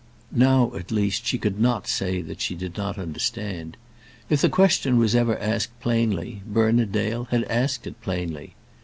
Now, at least, she could not say that she did not understand. If the question was ever asked plainly, Bernard Dale had asked it plainly.